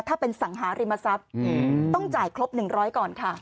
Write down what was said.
ถ้าเป็นสังหาริมทรัพย์ต้องจ่ายครบ๑๐๐ก่อนค่ะ